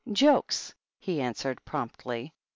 " Jokes," he answered, promptly.